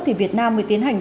thì việt nam mới tiến hành